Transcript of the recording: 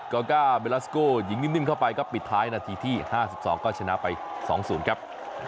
อกก้าเมลาสโก้ยิงนิ่มเข้าไปครับปิดท้ายนาทีที่๕๒ก็ชนะไป๒๐ครับ